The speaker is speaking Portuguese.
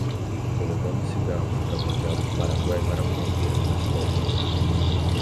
Tô levando cigarro contrabandeado do Paraguai para a fronteira com escolta